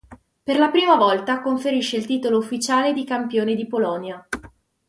Per la prima volta conferisce il titolo ufficiale di campione di Polonia.